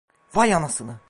Vay anasını!